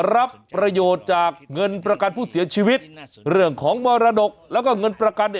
รับประโยชน์จากเงินประกันผู้เสียชีวิตเรื่องของมรดกแล้วก็เงินประกัน